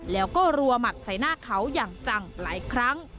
แล้วก็รัวหมัดใส่หน้าเขาอย่างจังหลายครั้ง